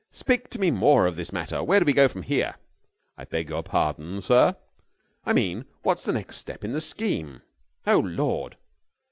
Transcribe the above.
Speak to me more of this matter. Where do we go from here?" "I beg your pardon, sir?" "I mean, what's the next step in the scheme? Oh, Lord!"